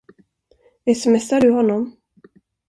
Sms:ar du honom?